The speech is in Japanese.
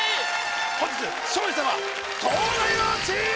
本日勝利したのは東大王チーム！